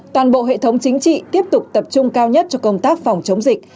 toàn bộ hệ thống chính trị tiếp tục tập trung cao nhất cho công tác phòng chống dịch